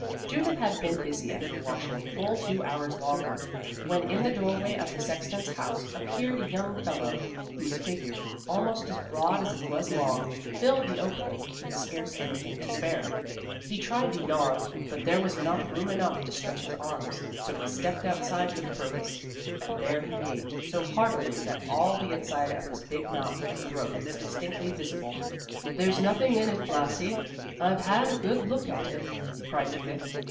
Judith had been busy at her washing full two hours longer, when in the doorway of the sexton's house appeared a young fellow, whose figure, almost as broad as it was long, filled the opening, with scarce anything to spare. He tried to yawn, but there was not room enough to stretch his arms, so he stepped outside for the purpose, and there he gaped so heartily that all the inside of his big mouth and throat was distinctly visible. "There's nothing in it, Blasi! I've had a good look at it," cried Judith.